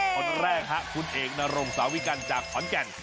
คนแรกฮะคุณเอกนรงสาวิกัลจากขอนแก่น